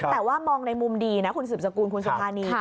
แต่ว่ามองในมุมดีนะคุณสืบสกุลคุณสุภานี